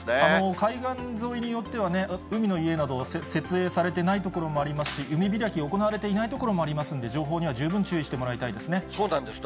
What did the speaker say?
海岸沿いによってはね、海の家など設営されてない所もありますし、海開き行われていない所もありますんで、情報には十分注意してもらいたいですね。